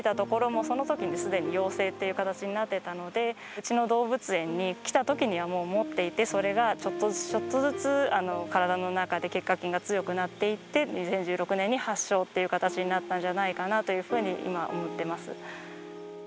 うちの動物園に来た時にはもう持っていて、それがちょっとずつちょっとずつ体の中で結核菌が強くなっていって２０１６年に発症という形になったんじゃないかなというふうに今、思っています。